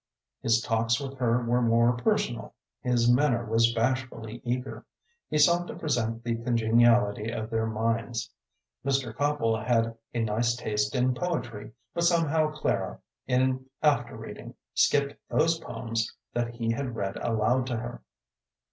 His talks with her were more personal; his manner was bashfully eager. He sought to present the congeniality of their minds. Mr. Copple had a nice taste in poetry, but somehow Clara, in after reading, skipped those poems that he had read aloud to her.